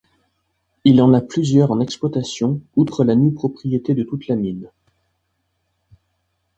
Il en a plusieurs en exploitation, outre la nue propriété de toute la mine.